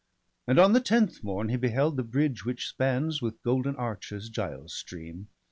And on the tenth morn he beheld the bridge Which spans with golden arches Giall's stream.